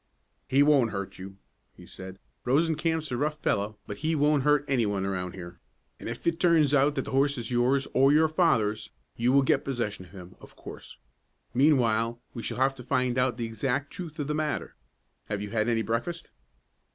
"He won't hurt you," he said. "Rosencamp's a rough fellow, but he won't hurt any one around here; and if it turns out that the horse is yours or your father's, you will get possession of him, of course. Meantime we shall have to find out the exact truth of the matter. Have you had any breakfast?"